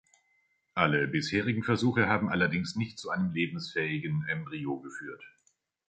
Alle bisherigen Versuche haben allerdings nicht zu einem lebensfähigen Embryo geführt.